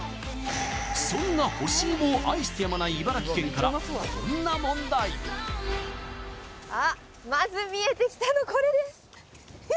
そんな干しいもを愛してやまない茨城県からこんな問題あっまず見えてきたのこれです